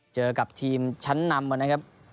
เจอกับทีมชั้นนำมานะครับ